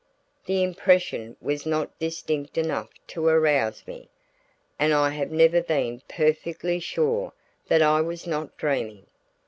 The impression was not distinct enough to arouse me, and I have never been perfectly sure that I was not dreaming.